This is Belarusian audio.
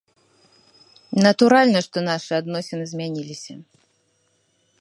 Натуральна, што нашы адносіны змяніліся.